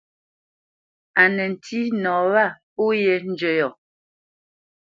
Á nə ntî nɔ wâ pó yē njə́ yɔ̂.